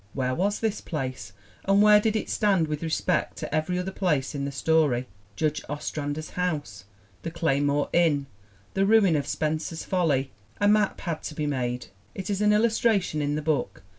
Where was this place and where did it stand with respect to every other place in the story Judge Ostrander's house, the Clay more Inn, the ruin of Spencer's Folly? A map had to be made. It is an illustration in the book.